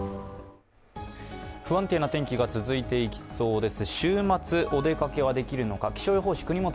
不安定な天気が続いていきそうです。